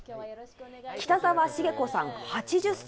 北澤滋子さん８０歳。